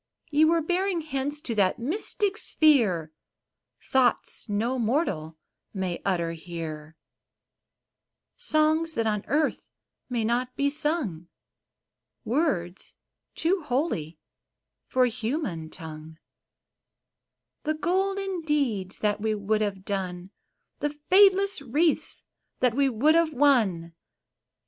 Ye were bearing hence to that mystic sphere Thoughts no mortal may utter here, — Songs that on earth may not be sung, — Words too holy for human tongue, — The golden deeds that we would have done, — The fadeless wreaths that we would have won